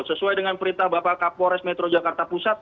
sesuai dengan perintah bapak kapolres metro jakarta pusat